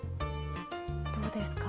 どうですか？